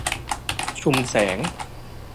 ชุมแสง